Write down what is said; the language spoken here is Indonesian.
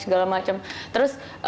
segala macem terus